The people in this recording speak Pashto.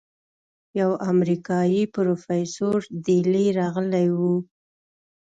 يو امريکايي پروفيسور دېلې رغلى و.